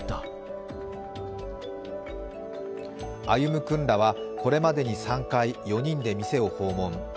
歩夢君らは、これまでに３回、４人で店を訪問。